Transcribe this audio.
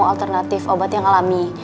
alternatif obat yang alami